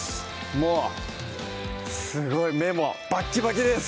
もうすごい目もバッキバキです！